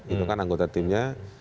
itu kan anggota timnya